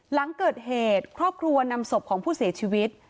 หลังเกิดเหตุครอบครัวนำศพของผู้เสียชีวิต